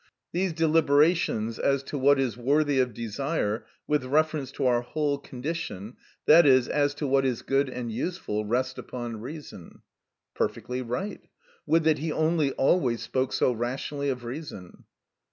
These deliberations as to what is worthy of desire, with reference to our whole condition, i.e., as to what is good and useful, rest upon reason." (Perfectly right; would that he only always spoke so rationally of reason!)